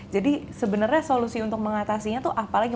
jadi sebenarnya solusi untuk mengatasinya tuh apalagi